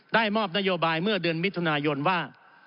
ได้มอบนโยบายเมื่อเดือนมิถุนายนว่า